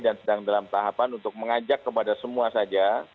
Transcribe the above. dan sedang dalam tahapan untuk mengajak kepada semua saja